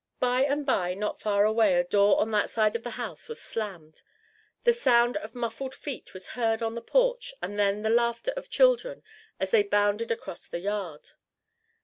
By and by not far away a door on that side of the house was slammed. The sound of muffled feet was heard on the porch and then the laughter of children as they bounded across the yard.